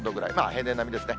平年並みですね。